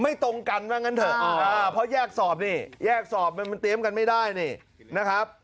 ตรงกันว่างั้นเถอะเพราะแยกสอบนี่แยกสอบมันเตรียมกันไม่ได้นี่นะครับ